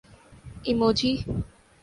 emoji